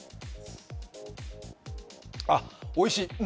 あ、おいしい。